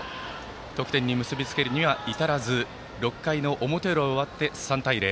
得点に結び付けるには至らず６回の表裏が終わって３対０。